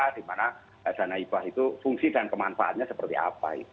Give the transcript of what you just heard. dimana dana hibah itu fungsi dan kemanfaatnya seperti apa